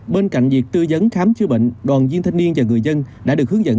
bên cạnh việc tư vấn khám chữa bệnh đoàn viên thanh niên và người dân đã được hướng dẫn